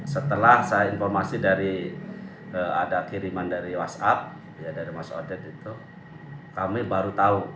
setelah saya informasi dari ada kiriman dari whatsapp dari mas odet itu kami baru tahu